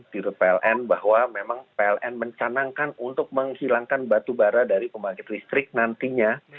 tiru pln bahwa memang pln mencanangkan untuk menghilangkan batubara dari pembangkit listrik nantinya